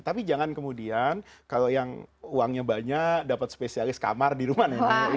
tapi jangan kemudian kalau yang uangnya banyak dapat spesialis kamar di rumah nih